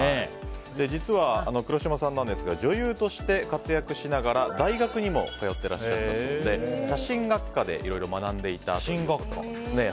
実は、黒島さん女優として活躍しながら大学にも通ってらっしゃったそうで写真学科で、いろいろ学んでいたということです。